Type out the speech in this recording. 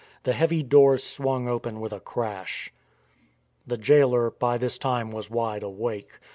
The heavy doors swung open with a crash. The jailer by this time was wide awake.